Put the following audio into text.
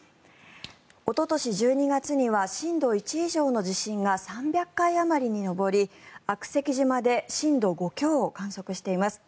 おととし１２月には震度１以上の地震が３００回あまりに上り、悪石島で震度５強を観測しています。